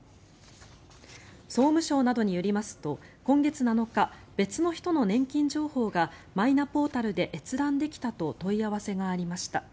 総務省などによりますと今月７日別の人の年金情報がマイナポータルで閲覧できたと問い合わせがありました。